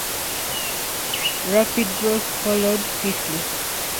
Rapid growth followed quickly.